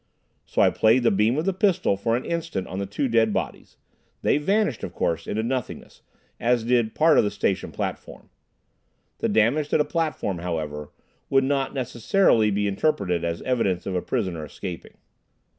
So I played the beam of the pistol for an instant on the two dead bodies. They vanished, of course, into nothingness, as did part of the station platform. The damage to the platform, however, would not necessarily be interpreted as evidence of a prisoner escaping.